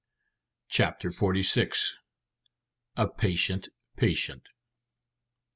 CHAPTER FORTY SIX. A PATIENT PATIENT.